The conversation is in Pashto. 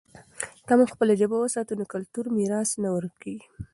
که موږ خپله ژبه وساتو، نو کلتوري میراث نه ورکېږي.